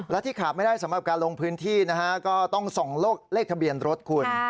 และที่ขาดไม่ได้สำหรับการลงพื้นที่นะฮะก็ต้องส่องเลขทะเบียนรถคุณ